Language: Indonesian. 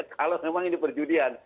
kalau memang ini perjudian